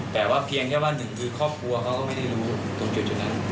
แต่ว่าเพียงแค่ว่าหนึ่งคือครอบครัวเขาก็ไม่ได้รู้ตรงจุดนั้น